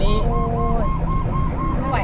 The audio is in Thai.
ผู้ชีพเราบอกให้สุจรรย์ว่า๒